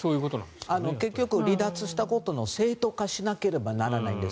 結局離脱したことを正当化しなければならないです。